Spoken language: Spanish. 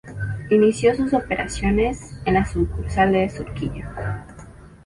Inició sus operaciones en la sucursal de Surquillo.